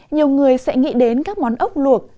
nhiều người sẽ nghĩ đến các món ốc luộc